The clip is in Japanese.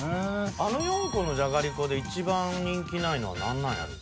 あの４個のじゃがりこでいちばん人気ないのは何なんやろ。